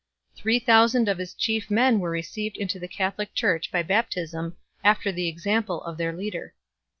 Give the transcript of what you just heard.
Three thousand of his chief men were received into the Catholic Church by baptism after the example of their leader.